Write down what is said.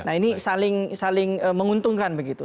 nah ini saling menguntungkan begitu